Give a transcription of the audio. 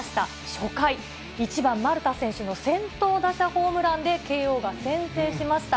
初回、１番丸田選手の先頭打者ホームランで、慶応が先制しました。